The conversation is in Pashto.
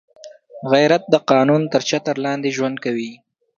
غیرت د قانون تر چتر لاندې ژوند کوي